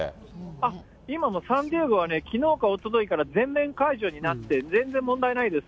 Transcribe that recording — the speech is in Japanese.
今もう、サンディエゴはきのうかおとといから全面解除になって、全然問題ないです。